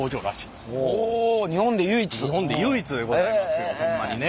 日本で唯一でございますよホンマにね。